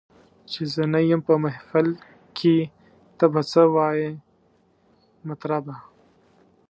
چي زه نه یم په محفل کي ته به څه وایې مطربه